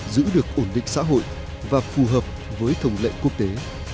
giữ được ổn định xã hội và phù hợp với thông lệ quốc tế